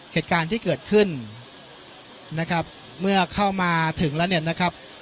เหตุการณ์ที่เกิดขึ้นนะครับเมื่อเข้ามาถึงแล้วเนี่ยนะครับ